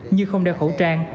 như không đeo khẩu trang